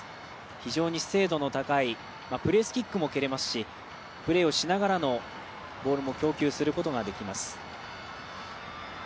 非常に精度の高いプレスキックも蹴れますしプレーをしながらのボールも供給することができます。